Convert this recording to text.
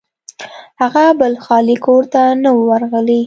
هغه بل خالي کور ته نه و ورغلی.